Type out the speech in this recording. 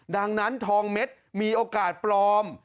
ดังนั้นทองเม็ดมีโอกาสปลอม